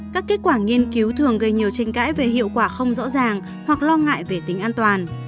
các kết quả nghiên cứu thường gây nhiều tranh cãi về hiệu quả không rõ ràng hoặc lo ngại về tính an toàn